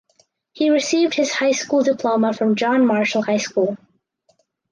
He received his high school diploma from John Marshall High School.